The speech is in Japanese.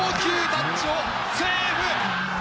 タッチはセーフ！